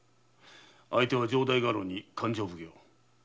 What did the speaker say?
相手は城代家老に勘定奉行。